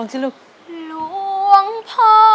หลวงพ่อ